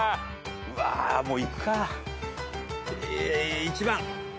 うわもういくか。